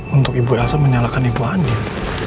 untuk ibu elsa menyalahkan ibu andi